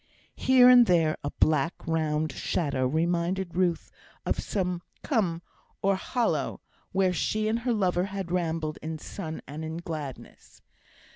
Here and there a black round shadow reminded Ruth of some "Cwm," or hollow, where she and her lover had rambled in sun and in gladness.